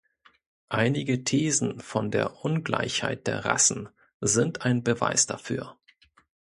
Einige Thesen von der Ungleichheit der Rassen sind ein Beweis dafür.